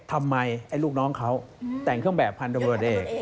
ทำไมไอ้ลูกน้องเขาแต่งเครื่องแบบพันธบรวจเอก